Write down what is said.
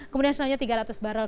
kemudian selanjutnya tiga ratus barrel